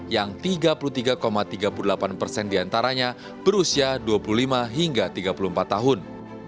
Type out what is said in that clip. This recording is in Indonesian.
yang tiga puluh tiga tiga puluh delapan persen diantaranya berusia dua puluh lima hingga tiga puluh empat tahun